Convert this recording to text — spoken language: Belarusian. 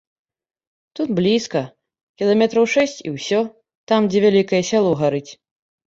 Тут блізка, кіламетраў шэсць і ўсё, там, дзе вялікае сяло гарыць.